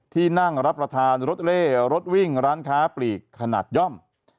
ที่นั่งรับประทานรถเล่รถวิ่งร้านค้าปลีกขนาดย่อม